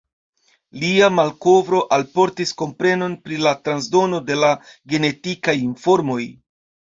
Lia malkovro alportis komprenon pri la transdono de la genetikaj informoj.